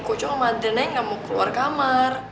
kocok sama adriana yang gak mau keluar kamar